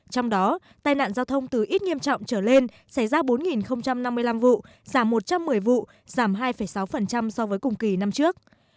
trong đó tai nạn giao thông từ ít nghiêm trọng trở lên xảy ra bốn năm mươi năm vụ giảm một trăm một mươi vụ giảm hai sáu so với cùng kỳ năm trước